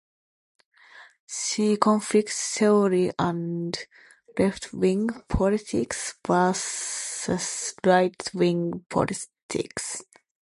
See conflict theory and left-wing politics versus right-wing politics.